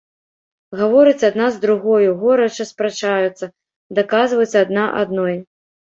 Гавораць адна з другою, горача спрачаюцца, даказваюць адна адной.